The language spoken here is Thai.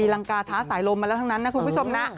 ลังกาท้าสายลมมาแล้วทั้งนั้นนะคุณผู้ชมนะ